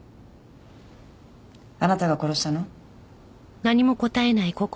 あなたが殺したの？